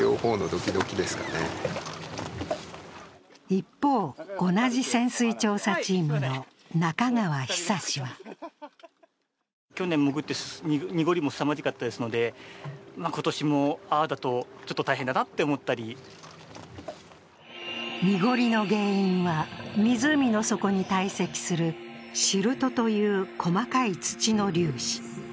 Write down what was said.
一方、同じ潜水調査チームの中川永は濁りの原因は、湖の底に堆積するシルトという細かい土の粒子。